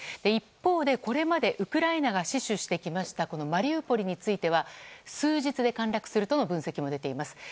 一方で、これまでウクライナが死守してきましたマリウポリについては数日で陥落するとの分析も出ています。